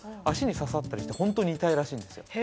足に刺さったりしてホントに痛いらしいんですよ。